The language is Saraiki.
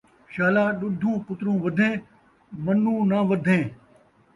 شالا ݙُدھوں پُتروں ودھّیں مَنّوں نہ ودھیں